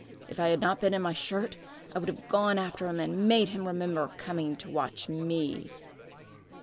If I had not been in my shirt, I would have gone after him and made him remember coming to watch me.